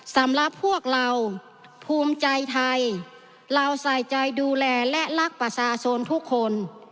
สำหรับพวกเราภูมิใจไทยเราใส่ใจดูแลและรักประชาชนทุกคน